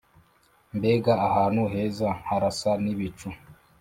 mbega ahantu heza, harasa n'ibicu